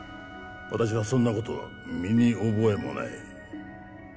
私はそんなことは身に覚えもない